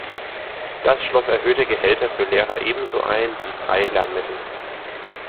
Das schloss erhöhte Gehälter für Lehrer ebenso ein, wie freie Lernmittel.